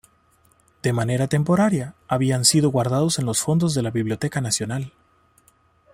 De manera temporaria habían sido guardados en los fondos de la Biblioteca Nacional.